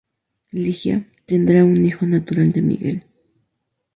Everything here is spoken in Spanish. Ligia tendrá un hijo natural de Miguel.